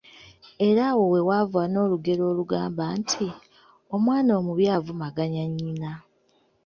Era awo we wava n’olugero olugamba nti, “Omwana omubi avumaganya nnyina.”